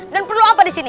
dan perlu apa di sini